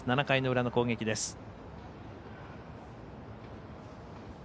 ７回の裏の攻撃です。